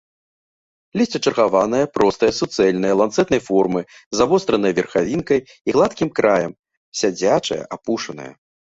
Лісце чаргаванае, простае, суцэльнае, ланцэтнай формы, з завостранай верхавінкай і гладкім краем, сядзячае, апушанае.